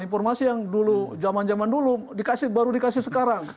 informasi yang dulu zaman zaman dulu baru dikasih sekarang